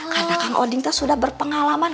karena oding sudah berpengalaman